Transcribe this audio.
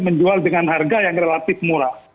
menjual dengan harga yang relatif murah